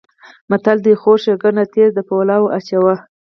متل دی: خوري شکنه تیز د پولاو اچوي.